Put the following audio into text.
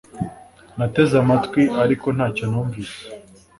Nateze amatwi ariko ntacyo numvise